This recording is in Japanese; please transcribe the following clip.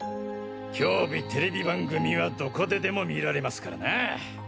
きょうびテレビ番組はどこででも見られますからな。